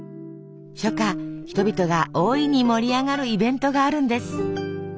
初夏人々が大いに盛り上がるイベントがあるんです。